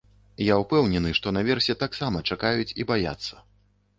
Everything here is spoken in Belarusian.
Я ўпэўнены, што наверсе таксама чакаюць і баяцца.